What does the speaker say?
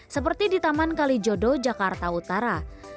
seperti di taman kalijodo jakarta utara